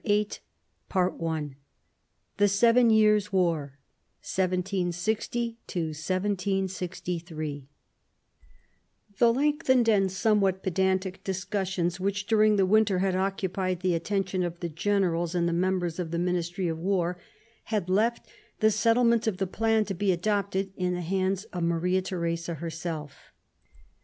j CHAPTER VIII THE SEVEN YEARS* WAR (continued) 1760 1763 The lengthened and somewhat pedantic discussions, which during the winter had occupied the attention of the generals and the members of the ministry of war, had left the settlement of the plan to be adopted in the hands of Maria Theresa herself.